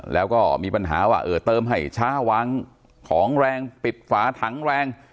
แล้วก็มีปัญหาว่าเออเติมให้ช้าวางของแรงปิดฝาถังแรง